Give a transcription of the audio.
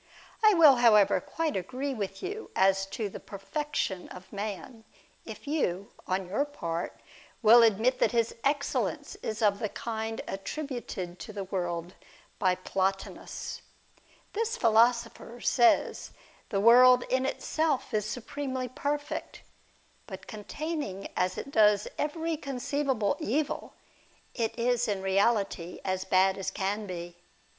I will, however, quite agree with you as to the perfection of man, if you on your part will admit that his excellence is of the kind attributed to the world by Plotinus. This 56 THE WAGER OF PROMETHEUS. philosopher says the world in itself is supremely perfect, but containing as it does every conceivable evil, it is in reality as bad as can be.